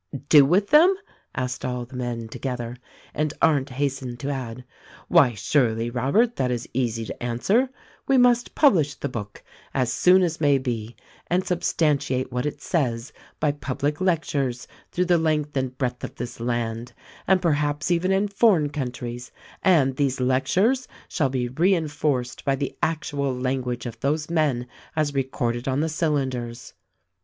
"Do with them ?" asked all the men together ; and Arndt hastened to add, "Why surely, Robert, that is easy to an swer : we must publish the book as soon as may be and sub stantiate what it says by public lectures through the length and breadth of this land — and perhaps even in foreign coun tries — and these lectures shall be reinforced by the actual language of those men as recorded on the cylinders."